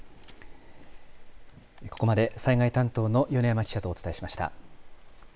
ここまで災害担当の米山記者とお伝えしました。